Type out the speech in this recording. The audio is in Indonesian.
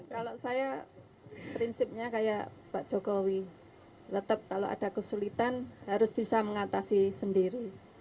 kalau saya prinsipnya kayak pak jokowi tetap kalau ada kesulitan harus bisa mengatasi sendiri